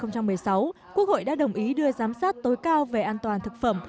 năm hai nghìn một mươi sáu quốc hội đã đồng ý đưa giám sát tối cao về an toàn thực phẩm